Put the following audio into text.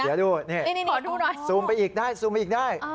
เดี๋ยวดูนี่สูมไปอีกได้